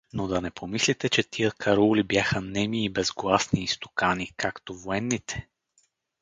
Но да не помислите, че тия караули бяха неми и безгласни истукани, както военните?